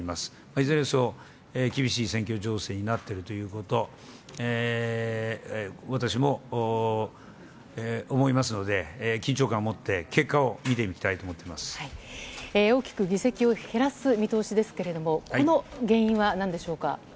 いずれにせよ、厳しい選挙情勢になっているということ、私も思いますので、緊張感を持って、結果を見ていきたいと思っていま大きく議席を減らす見通しですけれども、この原因はなんでしょうか。